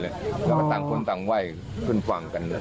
เราตั้งคนตั้งไหว้ขึ้นฟังกันเลย